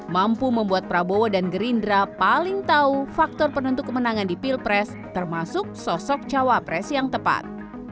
mampu membuat prabowo dan gerindra paling tahu faktor penentu kemenangan di pilpres termasuk sosok cawapres yang tepat